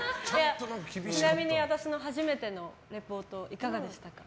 ちなみに私の初めてのリポートどうでしたか？